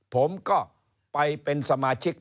ผมก็ไปเป็นสมาชิก